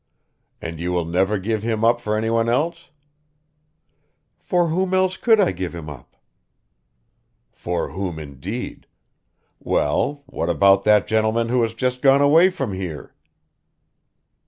"And you will never give him up for anyone else?" "For whom else could I give him up?" "For whom indeed! Well, what about that gentleman who has just gone away from here?"